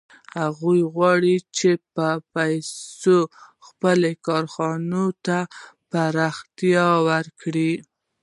هغوی غواړي چې په پیسو خپلو کارخانو ته پراختیا ورکړي